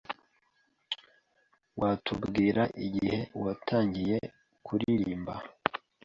Watubwira igihe watangiriye kuririmba?